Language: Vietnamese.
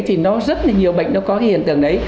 thì nó rất là nhiều bệnh nó có hiện tượng ấy